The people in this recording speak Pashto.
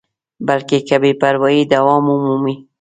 بلکې که بې پروایي دوام ومومي.